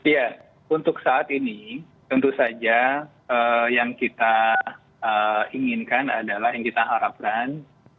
ya untuk saat ini tentu saja yang kita inginkan adalah yang kita harapkan